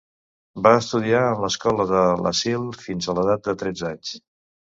Va estudiar en l'escola de l'asil fins a l'edat de tretze anys.